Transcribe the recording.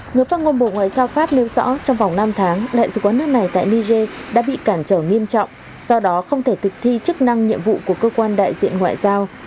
người phát ngôn bộ ngoại giao pháp nêu rõ trong vòng năm tháng đại sứ quán nước này tại niger đã bị cản trở nghiêm trọng do đó không thể thực thi chức năng nhiệm vụ của cơ quan đại diện ngoại giao